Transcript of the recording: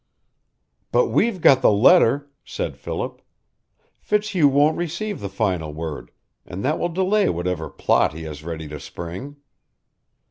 "But we've got the letter," said Philip. "Fitzhugh won't receive the final word, and that will delay whatever plot he has ready to spring."